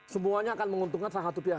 semuanya akan menguntungkan salah satu pihak